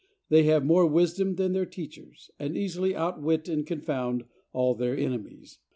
They have more wisdom than their teachers, and easily outwit and confound all their enemies.